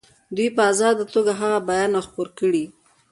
دوی په آزاده توګه هغه بیان او خپور کړي.